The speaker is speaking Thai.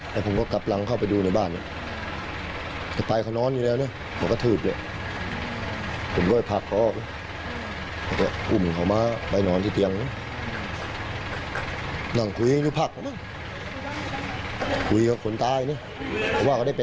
เพราะบอกที่บ้านเลยถามว่าทำไมบอกกระถือกเขา